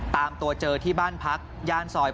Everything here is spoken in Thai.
ตามตัวเจอที่บ้านพักย่านซอย